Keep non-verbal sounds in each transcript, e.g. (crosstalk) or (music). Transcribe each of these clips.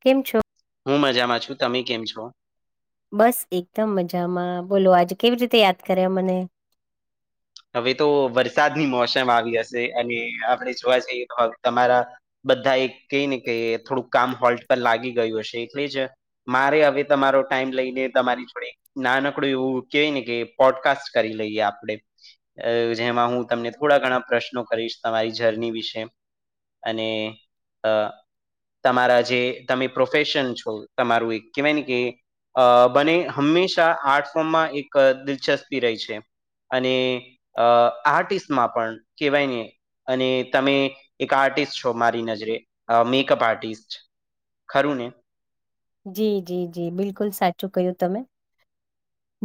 કેમ છો? હું મજામાં છું. તમે કેમ છો? બસ એકદમ મજામાં બોલો આજે કેવી રીતે યાદ કર્યા મને? હવે તો વરસાદની મોસમ આવી હશે અને આપણે જોવા જઈએ તમારા. બધા એક કઈ ને ક થોડુંક કામ હોલ્ટ પર લાગી ગયું હશે એટલે જ મારે હવે તમારો ટાઈમ લઈને તમારી જોડે નાનકડું એવું કેવાય ને કે પોડકાસ્ટ કરી લઈએ આપડે. અ જેમાં હું તમને થોડા ઘણા પ્રશ્નો કરીશ તમારી જર્ની વિશે. અને અ તમારા જે તમે પ્રોફેશન છો તમારું એક કેહેવાય ને કે અ બને હંમેશા આર્ટ ફોર્મમાં એક દિલચસ્પી રહી છે. અને આર્ટિસ્ટમાં પણ કહેવાય ને. અને તમે એક આર્ટિસ્ટ છો, મારી નજરે મેકઅપ આર્ટિસ્ટ. ખરું ને જી જી જી બિલકુલ સાચું કય્યું તમે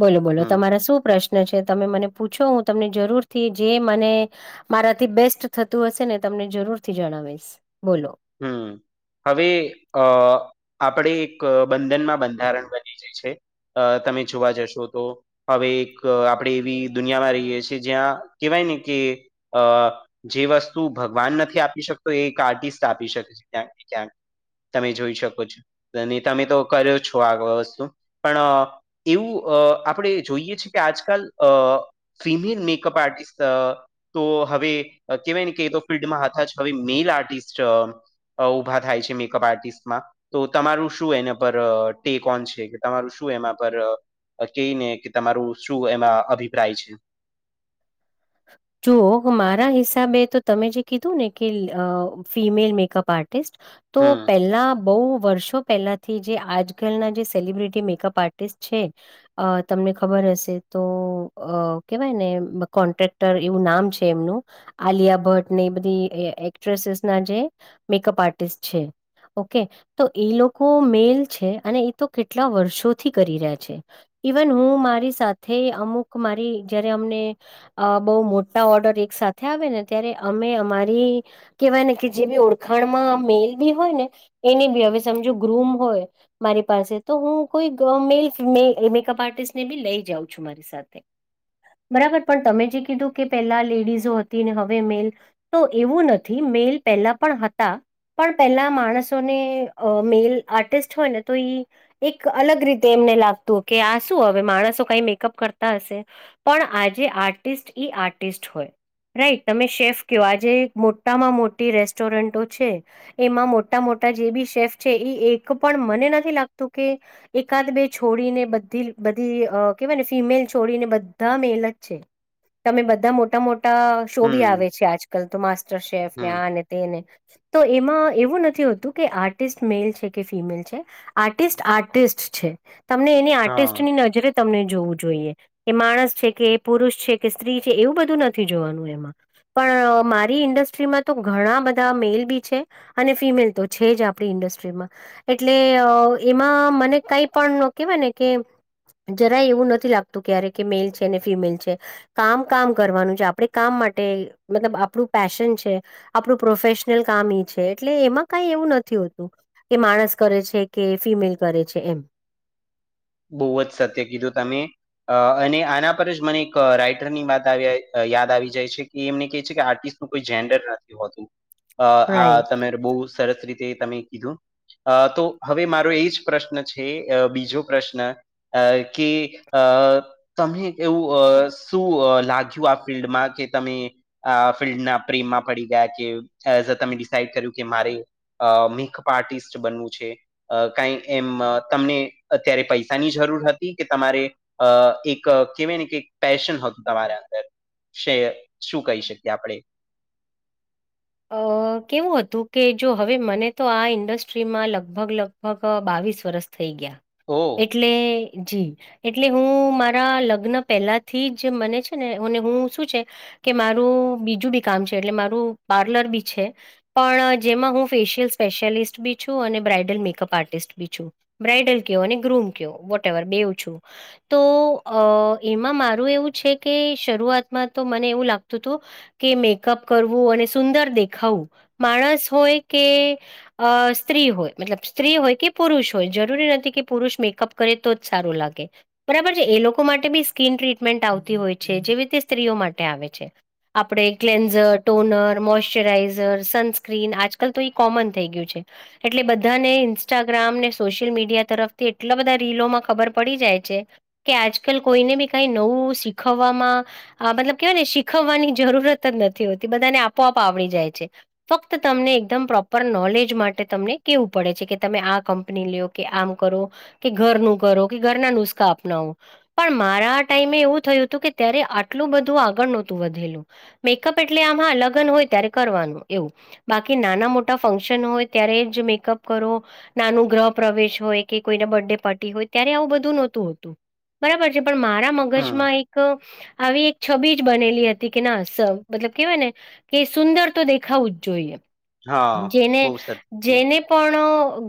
બોલો બોલો હમ તમારા શું પ્રશ્ન? પ્રન છે તમે મને પૂછો હું તમને જરૂર થી જે મને મારાથી બેસ્ટ થતું હશે ને તમને જરૂરથી જણાવીશ બોલો. હમ હવે અ આપણે એક બંધનમાં બંધારણ બની જાય છે. અ તમે જોવા જશો તો. હવે એક આપણે એવી દુનિયામાં રહીએ છીએ જ્યાં કેહેવાય ને કે અ જે વસ્તુ ભગવાન નથી આપી શકતો એ એક આર્ટિસ્ટ આપી શકે છે. ક્યાંક ક્યાંક તમે જોઈ શકો છો તમે તો કર્યો છો આ વસ્તુ પણ. એવું અ આપણે જોઈએ છેીએ કે આજકાલ અ ફિમેલ મેકઅપ આર્ટિસ્ટ. તો હવે કહેવાય ને કે તો ફિલ્ડમાં હતા જ હવે મેલ આર્ટિસ્ટ. અ ઊભા થાય છે. મેકઅપ આર્ટિસ્ટમાં. તો તમારું શું એના પર ટેક ઓન છે. કે તમારું શું એના પર કે ને કે તમારું શું એમાં અભિપ્રાય છે. જુઓ મારા હિસાબે તો તમે જે કીધું ને કે ફિમેલ મેકઅપ આર્ટ. તો હમ પેલા બહ વર્ષો પહેલા. થી જે આજકાલના જે સેલિબ્રિટી મેકઅપ આર્ટિસ્ટ છે. અ તમને ખબર હશે તો અ કેહેવાય ને કોન્ટ્રાક એવું નામ છે. એમનું આલિયા ભટ્ટ ને એ બધી એક્ટ્રેસીસ ના જે મેકઅપ આર્ટિસ્ટ છે. ઓકે તો એ લોકો મેલ છે અને એ તો કેટલા વર્ષોથી કરી રહ્યા છે. ઈવન હું મારી સાથે અમુક મારી જયારે અમને અ બહુ મોટા ઓર્ડર એક સાથે આવે ને ત્યારે અમે અમારી. કેહેવાય ને કે જે બી ઓળખાણ માં મેલ બી હોય ને એની બી હવે સમજો ગ્રૂમ હોય. મારી પાસે તો હું કોઈ મેલ મેકઅપ આર્ટિસ્ટ ને બી લઈ જાઉં છું મારી સાથે બરાબર પણ તમે જે કીધું કે પેલા લેડીઝો હતી ને હવે મેલ તો એવું નથી મેલ પેલા પણ હતા. પણ પેહેલા માણસોને અ મેલ આર્ટિસ્ટ હોય ને તો ઈ એક અલગ રીતે એમને લાગતું કે આ શું હવે માણસો કઈ મેકઅપ કરતા હશે. પણ આજે આર્ટિસ્ટ ઈ આર્ટિસ્ટ હોય. રાઈટ તમે શેફ કેવ આજે મોટામાં મોટી રેસ્ટોરન્ટો છે. એમાં મોટા મોટા જે બી શેફ છે ઈ એક પણ મને નથી લાગતું કે. એકાદ બે છોડીને બધી બધી અ કેવાય ને ફિમેલ છોડીને બધા મેલ જ છે. તમે બધા મોટા મોટા શો બી હમ આવે છે આજકાલ તો માસ્ટર શેફ ને હમ આને તેને. તો એમાં એવું નથી હોતું કે આર્ટિસ્ટ મેલ છે કે ફિમેલ છે. આર્ટિસ્ટ આર્ટિસ્ટ છે. તમને એની હા આર્ટિસ્ટની નજરે તમને જોવું જોઈએ એ માણસ છે કે એ પુરુષ છે. કે સ્ત્રી છે એવું બધું નથી જોવાનું એમાં પણ મારી ઇન્ડસ્ટ્રીમાં તો ઘણા બધા મેલ બી છે. અને ફિમેલ તો છે જ આપણી ઇન્ડસ્ટ્રીમાં. એટલે એમાં મને કઈ પણ કેવાય ને કે. જરાએ એવું નથી લાગતું ક્યારે કે મેલ છે ને ફિમેલ છે. કામ કામ કરવાનું છે આપડે કામ માટે મતલબ આપણું પેશન છે. આપણું પ્રોફેશનલ કામ‌ ઇ છે. એટલે એમાં કઈ એવું નથી હોતું. કે માણસ કરે છે કે ફિમેલ કરે છે એમ બવ જ સત્ય કીધું તમે. અ અને આના પર જ મને એક રાઈટર ની વાત યાદ આવી જાય છે કે એમને કહે છે કે આર્ટિસ્ટ કોઈ જેન્ડર નથી હોતુ. અ આ રાઈટ તમે રે બહુ. સરસ રીતે તમે કીધું અ તો હવે મારો એ જ પ્રશ્ન છે અ બીજો પ્રશ્ન અ કે અ તમને એવું અ શું લાગ્યું આ ફિલ્ડમાં કે તમે આ ફિલ્ડના પ્રીમાં પડી ગયા કે તમે ડિસાઈડ કર્યું. કે મારે અ મેકઅપ આર્ટિસ્ટ બનવું છે અ કઈ એમ તમને અત્યારે પૈસાની જરૂર હતી કે તમારે અ એક કહેવાય ને કે પેશન હતું તમારા અંદર છે શું કહી શકીએ આપણે અ કેવું હતું કે જો હવે મને તો આ ઇન્ડસ્ટ્રીમાં લગભગ લગભગ બાવીસ વર્ષ થઈ ગયા. ઓ. એટલે જી. એટલે હું મારા લગ્ન પહેલા થી જ મને છે મને હું શું છે. કે મારું બીજું બી કામ છે એટલે મારું પાર્લર બી છે‌. પણ જેમાં હું ફેશિયલ સ્પેશિયાલિસ્ટ બી છું અને બ્રાઇડલ મેકઅપ આર્ટિસ્ટ બી છું‌. બ્રાાઈડલ કયો અને ગ્રૂમ કયો વોટ એવર બેવું છું. તો અ એમાં મારું એવું છે કે શરૂઆતમાં તો મને એવું લાગતું તું કે મેકઅપ કરવું અને સુંદર દેખાવું માણસ હોય કે અ સ્ત્રી હોય મતલબ સ્ત્રી હોય કે પુરુષ હોય જરૂરી નથી કે પુરુષ મેકઅપ કરે તો જ સારું લાગે. બરાબર છે એ લોકો માટે બી સ્કીિન ટ્રીટમેન્ટ આવતી હોય છે જેવી રીતે સ્ત્રીઓ માટે આવે છે. આપણે ક્લેન્ઝર ટોનર મોસ્ટરાઇઝર સનસ્ક્રીન આજકાલ તો ઈ કોમન થઈ ગયું છે. એટલે બધાને ઇન્સ્ટાગ્રામ ને સોશિયલ મીડિયા તરફથી એટલા બધા રીલોમાં ખબર પડી જાય છે. કે આજકાલ કોઈને બી કઈ નવું શીખવવામાં મતલબ કેહેવાય ને શીખવવાની જરૂરત જ નથી હોતી બધાને આપોઆપ આવડી જાય છે. ફક્ત તમને એકદમ પ્રોપર નોલેજ માટે તમને કેવું પડે છે કે તમે આ કંપની લોઓ. કે આમ કરો કે ઘરનું કરો કે ઘરના નુસ્ખા અપનાવો. પણ મારા ટાઈમે એવું થયું હતું કે ત્યારે આટલું બધું આગળ નતું વધેલું મેકઅપ એટલે આમ હા લગ્ન હોય ત્યારે કરવાનું, એવું બાકી નાના મોટા ફંક્શન હોય ત્યારે જ મેકઅપ કરો નાનું ગ્રહ પ્રવેશ હોય કે કોઈને બર્થડે પાર્ટી હોય, ત્યારે આવું બધું નતું હોતું. બરાબર છે પણ મારા હમ મગજમાં એક આવી એક છબી જ બનેલી હતી કે ના સ મતલબ કેવાય ને કે સુંદર તો દેખાવું જ જોઈએ. હા જેને બહુ સરસ જેને પણ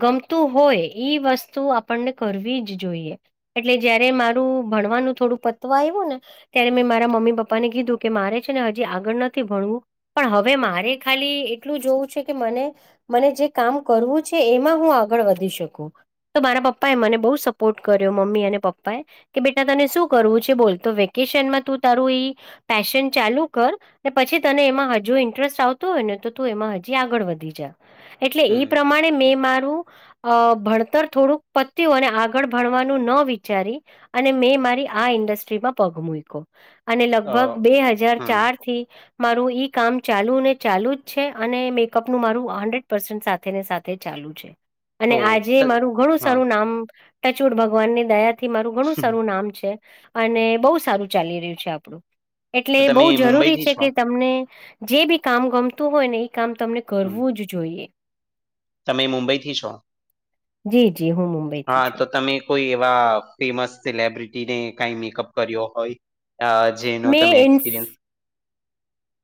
ગમતું હોય ઈ વસ્તુ આપણને કરવી જ જોઈએ. એટલે જયારે મારું ભણવાનું થોડું પત્વા આયવું ને ત્યારે મેં મારા મમ્મી પપ્પા ને કીધું કે મારે છે ને હજી આગળ નથી ભણવું. પણ હવે મારે ખાલી એટલું જોવું છે કે મને મને જે કામ કરવું છે એમાં હું આગળ વધી શકું. તો મારા પપ્પા એ મને બહુ સપોર્ટ કર્યો, મમ્મી અને પપ્પા એ. કે બેટા તને શું કરવું છે બોલ, તો વેકેશનમાં તું તારું ઈ પેશન ચાલુ કર, ને પછી તને એમાં હ જો ઇન્ટરેસ્ટ આવતો હોય ને તો તું એમાં હજી આગળ વધી જા. એટલે ઈ હમ પ્રમાણ મેં મારું અહ ભણતર થોડુંક પત્યું અને આગળ ભણવાનું ન વિચારી અને મેં મારી આ ઇન્ડસ્ટ્રીમાં પગ મૂઈકો. અને અ લગભગ બે હજાર હમ ચાર થી મારું (unintelligible) કામ ચાલુ ને ચાલુ જ છે, અને મેકઅપનું મારું હંડ્રેડ પર્સેન્ટ સાથે ને સાથે ચાલુ છે. તો અને ત આજે મારું ઘણું હા સારું નામ ટચુડ ભગવાનની દયા થી મારું ઘણું સારું નામ છે. અને બહુ સારું ચાલી રહ્યું છે આપણું. એટલે તો બહુ તમે જરૂરી મુંબઈથી છે છો કે તમને જે બી કામ ગમતું હોય ને ઈ કામ તમને હમ કરવું જ જોઈએ. તમે મુંબઈ થી છો? જી જી હું મુંબઈથી હા તો છું. તમે કોઈ એવા ફેમસ સેલેબ્રિટીને કાંઈ મેકઅપ કર્યો હોય અહ મેં ઇન્ફ,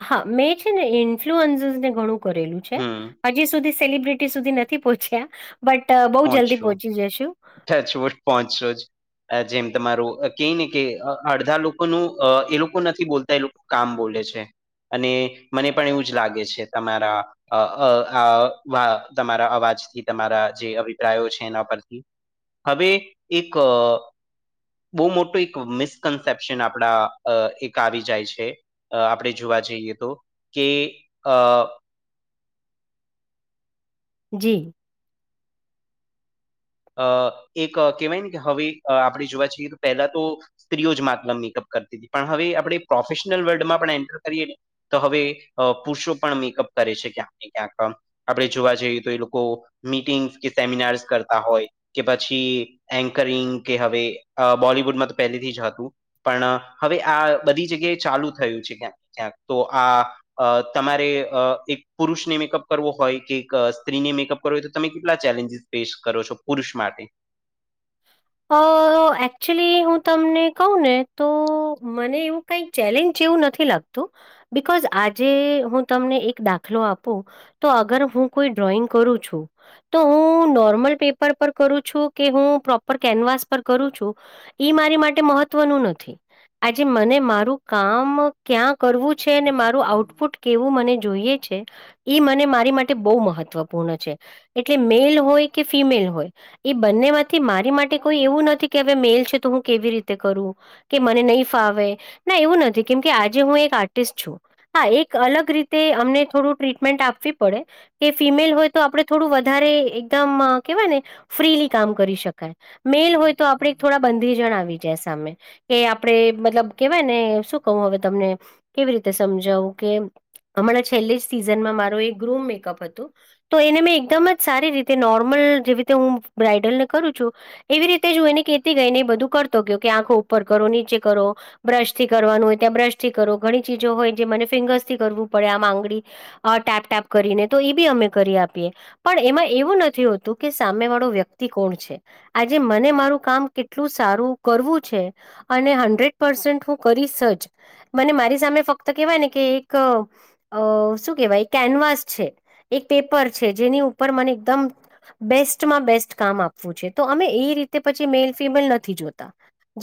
હા મેં છે ને ઇન્ફ્લુઅન્સસ ને ઘણું કરેલું છે. હમ હજી સુધી સેલિબ્રિટી સુધી નથી પહોંચ્યા, બટ બહું જલ્દી પહોંચશો પહોંચી જશું. (unintelligible) જેમ તમારું કહે ને કે અડધા લોકો નું અહ એ લોકો નથી બોલતા એ લોક કામ બોલે છે. અને મને પણ એવું જ લાગે છે તમારા અ અ વા તમારા અવાજથી તમારા જે અભિપ્રાયો છે એના પરથી, હવે એક બહુ મોટું એક મિસકન્સેપ્શન આપણા એક આવી જાય છે. અ આપણે જોવા જઈએ તો, કે અ જી. અ એક કહેવાય ને કે હવે આપણે જોવા છીએ તો પહેલા તો સ્ત્રીઓ જ માત્ર મેકઅપ કરતી હતી પણ હવે આપણે પ્રોફેશનલ વર્લ્ડમાં પણ એન્ટર કરીએ. તો હવે પુરુષો પણ મેકઅપ કરે છે ક્યાંક ને ક્યાંક. આપણે જોવા જઈએ તો એ લોકો મીટિંગસ કે સેમિનાર્સ કરતા હોય, કે પછી એન્કરિંગ કે હવે બોલવુડમાં તો પહેલેથી જ હતું. પણ હવે આ બધી જગ્યાએ ચાલુ થયું છે ક્યાંક ને ક્યાંક, તો આ અ તમારે એક પુરુષને મેકઅપ કરવો હોય કે એક સ્ત્રીને મેકઅપ તો તમે કેટલા ચેલેન્જીસ ફેસ કરો છો પુરુષ માટે? અ એકચુલી હું તમને કહ ને તો મને એવું કઈ ચેલેન્જ જેવું નથી લાગતું, બકોઝ આજે હું તમને એક દાખલો આપું. તો અગર હું કોઈ ડ્રોઈંગ કરું છું. તો હું નોર્મલ પેપર પર કરું છું કે હું પ્રો પર કેનવાસ પર કરું છું, ઈ મારી માટે મહત્વનું નથી. આજે મને મારું કામ ક્યાં કરવું છે મારું આઉટપુટ કેવું મને જોઈએ છે ઈ મને મારી માટે બહુ મહત્વપૂર્ણ છે. એટલે મેલ હોય કે ફિમેલ હોય એ બંને માંથી મા રી માટે કોઈ એવું નથી કે હવે, મેલ છે તો હું કેવી રીતે કરું. કે મને નહીં ફાવે ના એવું નથી કેમ કે આજે હું એક આર્ટિસ્ટ છું. હા, એક અલગ રીતે અમને થોડું ટ્રીટમેન્ટ આપવી પડે. કે ફિમેલ હોય તો આપડણે થોડું વધારે એકદમ કેવાય ને ફ્રીલી કામ કરી શકીએ. મેલ હોય તો આપણે થોડા બંધી જણાવ જાય સામે. કે આપણેે મતલબ કેવાયને શું કહું હવે, તમને કેવી રીતે સમજાવું કે હમણાં છેલ્લી જ સિઝનમાં મારો એક ગ્રૂમ મેકઅપ હતુ. તો એને મેં એકદમ જ સારી રીતે નોર્મલ જે રીતે હું બ્રઇડલને કરું છું. એવી રીતે જોઈને કેતી ગઈ ને એ બધું કરતો ગયો કે આંખો ઉપર કરો, નીચે કરો. બ્રશથી કરવાનું હોય ત્યાં બ્રશથી કરો ઘણી ચીજો હોય જે મને ફિંગર્સથી કરવું પડે. આમાં આગળી અ ટેપ ટટેપ કરીને તો એ બી અમે કરી આપીએ. પણ એમાં એવું નથી હોતું કે સામે વાળો વ્યક્તિ કોણ છે? આજે મને મારું કામ કેટલું સારું કરવું છે. અને હંડ્રેડ પર્સેન્ટ હું કરીશજ. મને મારી સામે ફક્ત કેવાય ને કે એક અ શું કેવાય? એક કેનવાસ છે, એક પેપર છે, જેની ઉપર મને એકદમ બેસ્ટમાં બેસ્ટ કામ આપવું છે. તો અમે એ રીતે પછી મેલ ફિમેલ નથી જોતા.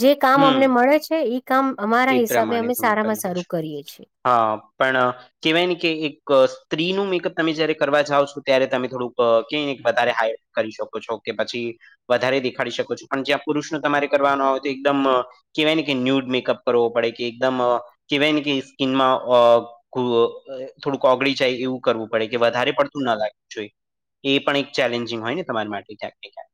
જે કામ હમ અમને મળે છે એ કામ અમારા એ હિસાબે પ્રમાણે અમે તમે સારામાં કરી દો સારું છો કરીએ છીએ. હા, પ્રમાણ. કેહેવાયને કે એક સ્ત્રીનું મેકઅપ તમે જયારે કરવા જાવ છો, ત્યારે તમે થોડુંક કેયને વધારે હાય કરી શકો છો કે પછી વધારે દેખાડી શકો છો, પણ જ્યાં પુરુષો તમારે કરવાનો હોય તો એકદમ કહેવાયને કે ન્યૂડ મેકઅપ કરવો પડે કે એકદમ કહેવાયને કે સ્કીિનમાં અ થોડુંક ઓગળી જાય એવું કરવું પડે કે વધારે પડતું ના લાગવું જોઈએ. એ પણ એક ચેલેન્જિંગ હોયને તમારી માટે ક્યાંક ને ક્યાંક.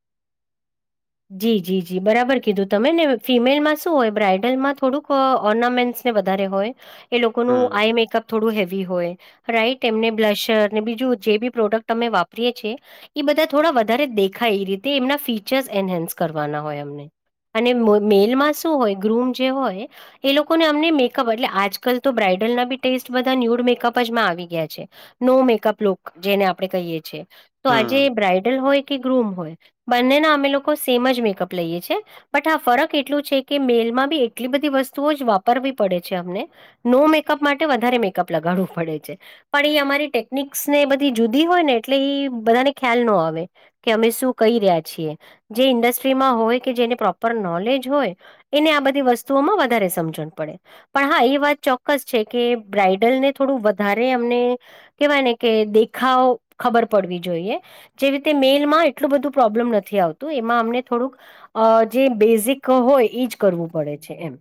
જી જી જી બરાબર કીધું. તમે ને ફિમેલમાં શું હોય બ્રાઈડલમાં થોડુંક ઓર્નામેન્ટ ને વધારે હોય એ લોકોનું હમ આઈ મેકઅપ થોડું હેવી હોય, રાઈટ એમને બ્લશરને બીજું જે બી પ્રોડક્ટ અમે વાપરીએ છીએ. એ બધા થોડા વધારે દેખાય, એ રીતે એમના ફીચર્સ એન્હન્સ કરવાના હોય એમને અને મેલમાં શું હોય? ગ્રુમ જે હોય. એ લોકોને અમને મેકઅપ એટલે આજકાલ તો બ્રાઇડલના બી ટેસ્ટ બધા ન્યૂડ મેકઅપ જમાં આવી ગયા છે‌ નો મેકઅપ લુક જેને આપડણે કહીએ છીએ. તો આજે હમ બ્રાઈડલ હોય કે ગ્રુમ હોય, બંનેના અમે લોકો સેમ જ મેકઅપ લઈએ છે. બટ આા ફરક એટલું છે કે મેલમાં બી એટલી બધી વસ્તુઓ જ વાપરવી પડે છે અમને. નો મેકઅપ માટે વધારે મેકઅપ લગાડવું પડે છે. પણ એ અમારી ટેકનિક્સને બધી જુદી હોયને, એટલે બધાને ખ્યાલ ન આવે. કે અમે શું કહી રહ્યા છીએ. જે ઇન્ડસ્ટ્રીમાં હોય કે જેને પ્રોપર નોલેજ હોય. એને આ બધી વસ્તુઓમાં વધારે સમજણ પડે. પણ હા, એ વાત ચોક્કસ છે કે બ્રાઈડલને થોડું વધારે અમને કેવાયને કે દેખાવ ખબર પડવી જોઈએ. જે રીતે મેલમાં એટલું બધું પ્રોબ્લેમ નથી આવતું. તો એમાં અમને થોડુંક અ જે બેઝિક હોય એજ કરવું પડે છે એમ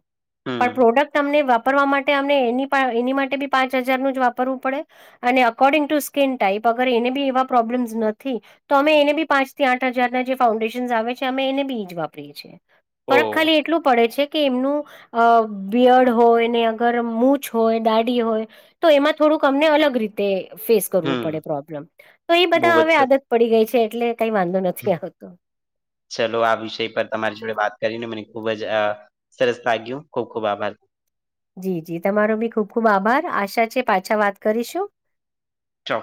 પણ હમ પ્રોડક્ટ અમને વાપરવા માટે અમને એ એની માટે બી પાંચ હજારનું જ વાપરવું પડે. અને અકોર્ડિંગ ટુ સ્કીિન ટાઈપ અગર એને બી એવા પ્રોબ્લેમ્સ નથી. તો અમે એને બી પાંચથી આઠ હજારના જે ફાઉન્ડેશ આવે છે, અમે એને બીજ વાપરીએ છીએ. ફક ઓહ ખાલી એટલું પડે છે કે એમનું અ બિયડ હોય ને અગર મૂચ હોય દાડી હોય. તો એમાં થોડુંક અમને અલગ રીતે ફેસ કરવું પડે હમ પ્રોબ્લેમ, તો એ બહુ બધા જ હવે આદત પડી ગઈ છે. એટલે કઈ વાંધો નથી આવતો. ચલો આ વિષય પર તમારી વાત કરીને મને ખુબ જ સરસ લાગ્યું, ખુબ ખુબ આભાર. જી જી તમારો બી ખુબ ખુબ આભાર. આશા છે પાછા વાત કરીશું. ચો